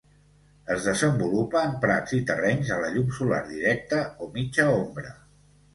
Es desenvolupa en prats i terrenys a la llum solar directa o mitja ombra.